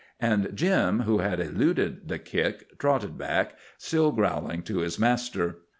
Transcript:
And Jim, who had eluded the kick, trotted back, still growling, to his master.